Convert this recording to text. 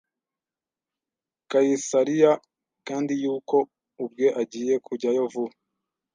Kayisariya kandi yuko ubwe agiye kujyayo vuba